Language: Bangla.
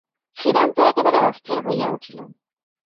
ছিদাম তো একেবারে অস্থির হইয়া উঠিল।